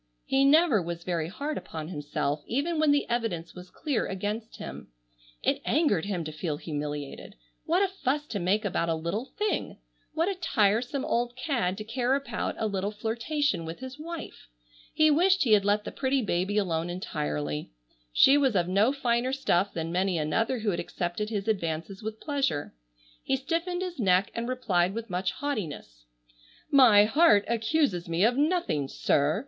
He never was very hard upon himself even when the evidence was clear against him. It angered him to feel humiliated. What a fuss to make about a little thing! What a tiresome old cad to care about a little flirtation with his wife! He wished he had let the pretty baby alone entirely. She was of no finer stuff than many another who had accepted his advances with pleasure. He stiffened his neck and replied with much haughtiness: "My heart accuses me of nothing, sir.